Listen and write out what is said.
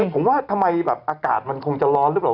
ผมว่าทำไมแบบอากาศมันคงจะร้อนหรือเปล่า